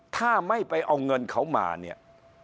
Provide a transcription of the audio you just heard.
ถ้าไม่ไปเอาเงินเขามาเนี่ย